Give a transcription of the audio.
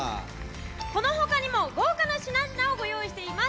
このほかにも豪華な品々をご用意しています。